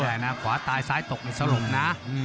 ไม่ได้นะขวาตายซ้ายตกสรุปนะ